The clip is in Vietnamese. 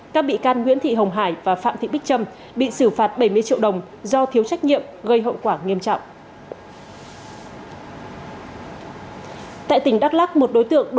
các bị can nguyễn thị hồng hải và phạm thị bích trâm bị xử phạt bảy mươi triệu đồng do thiếu trách nhiệm gây hậu quả nghiêm trọng